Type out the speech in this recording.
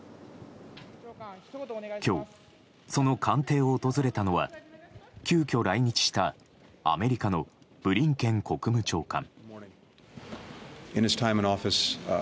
今日、その官邸を訪れたのは急きょ来日したアメリカのブリンケン国務長官。